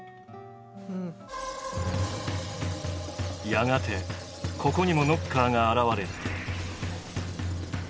やがてここにもノッカーが現れる。